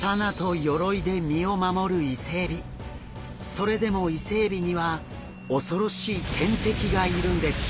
それでもイセエビには恐ろしい天敵がいるんです。